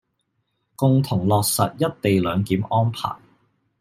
共同落實「一地兩檢」安排